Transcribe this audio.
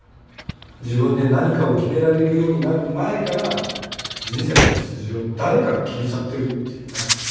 自分で何かを決められるようになる前から人生の道筋を誰かが決めちゃってるっていうね。